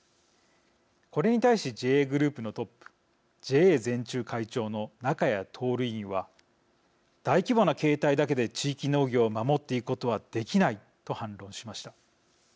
これに対しＪＡグループのトップＪＡ全中会長の中家徹委員は「大規模な経営体だけで地域農業を守っていくことはできない」と反論しました。